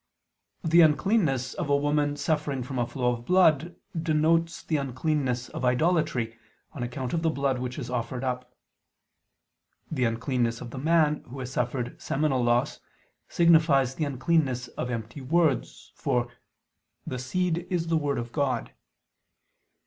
The uncleanness of a woman suffering from a flow of blood denotes the uncleanness of idolatry, on account of the blood which is offered up. The uncleanness of the man who has suffered seminal loss signifies the uncleanness of empty words, for "the seed is the word of God."